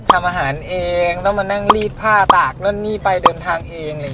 ทำอาหารเองต้องมานั่งรีดผ้าตากนั่นนี่ไปเดินทางเอง